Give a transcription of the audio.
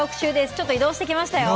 ちょっと移動してきましたよ。